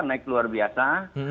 naik luar biasa